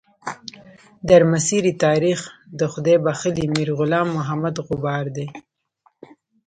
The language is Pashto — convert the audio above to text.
درمسیر تاریخ د خدای بخښلي میر غلام محمد غبار دی.